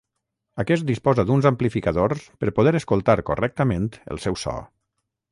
Aquest disposa d'uns amplificadors per poder escoltar correctament el seu so.